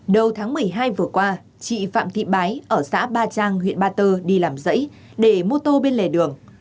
đầu tháng một mươi hai vừa qua chị phạm thị bái ở xã ba trang huyện ba tơ đi làm dãy để mô tô bên lề đường